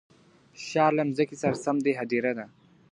ښار له مځکي سره سم دی هدیره ده .